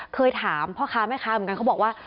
เคยถามพ่อค้าแม่ค้าเหมือนกันเขาบอกว่า